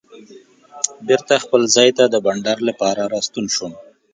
بېرته خپل ځای ته د بانډار لپاره راستون شوم.